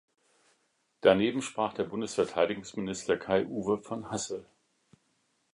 Daneben sprach der Bundesverteidigungsminister Kai-Uwe von Hassel.